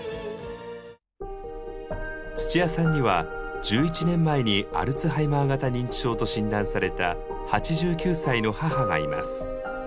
つちやさんには１１年前にアルツハイマー型認知症と診断された８９歳の母がいます。